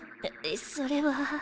それは。